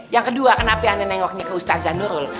yang kedua kenapa aneh nengoknya ke ustadz zanurul